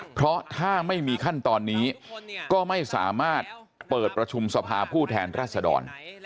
เพราะถ้าไม่มีขั้นตอนนี้ก็ไม่สามารถเปิดประชุมสภาผู้แทนรัศดร